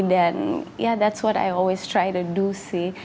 dan ya itu yang saya selalu berusaha untuk lakukan sih